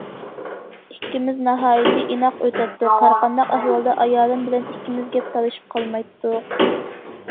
ئىككىمىز ناھايىتى ئىناق ئۆتەتتۇق، ھەرقانداق ئەھۋالدا ئايالىم بىلەن ئىككىمىز گەپ تالىشىپ قالمايتتۇق.